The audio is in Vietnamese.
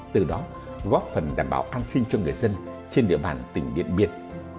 từ đó góp phần đảm bảo an sinh cho người dân trên địa bàn tỉnh điện biên